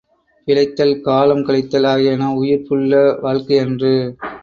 பிழைத்தல் காலம் கழித்தல் ஆகியன உயிர்ப்புள்ள வாழ்க்கையன்று.